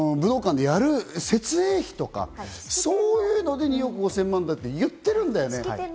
２億５０００万というのは武道館でやる設営費とかそういうので２億５０００万だと言ってるんだよね。